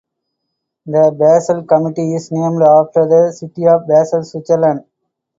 The Basel Committee is named after the city of Basel, Switzerland.